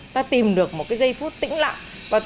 ta tìm được một cái giây phút tĩnh lặng